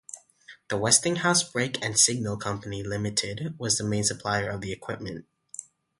The Westinghouse Brake and Signal Company Limited was the main supplier of the equipment.